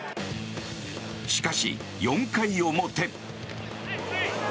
しかし、４回表。